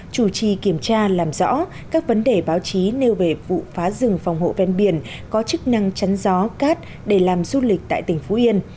chủ trì kiểm tra làm rõ các vấn đề báo chí nêu về vụ phá rừng phòng hộ ven biển có chức năng chắn gió cát để làm du lịch tại tỉnh phú yên